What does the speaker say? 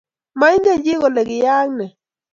Maingechi kole kiyaak ne